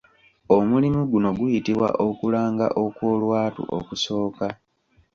Omulimu guno guyitibwa Okulanga Okw'olwatu Okusooka.